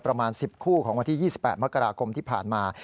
ประมาณ๑๐คู่ของวันที่๒๘มกราคมที่ผ่านมา